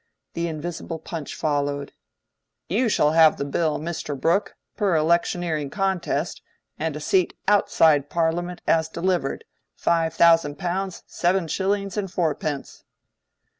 The invisible Punch followed:— "You shall have the Bill, Mr. Brooke, per electioneering contest, and a seat outside Parliament as delivered, five thousand pounds, seven shillings, and fourpence."